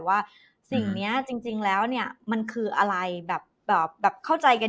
ว่าสิ่งนี้จริงแล้วเนี่ยมันคืออะไรแบบเข้าใจกัน